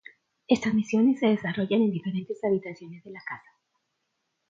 Estas misiones se desarrollan en diferentes habitaciones de la casa.